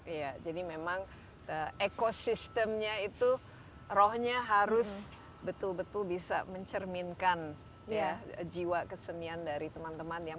iya jadi memang ekosistemnya itu rohnya harus betul betul bisa mencerminkan jiwa kesenian dari teman teman yang